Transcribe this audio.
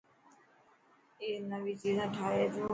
اي نوي چيزان ٺاهي تو.